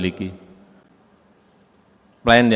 dan itu adalah keuntungan